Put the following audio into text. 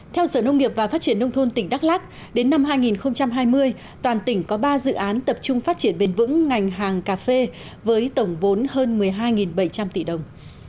theo sở nông nghiệp và phát triển nông thôn tỉnh đắk lắc đến năm hai nghìn hai mươi toàn tỉnh có ba dự án tập trung phát triển bền vững ngành hàng cà phê với tổng vốn hơn một mươi hai bảy trăm linh tỷ đồng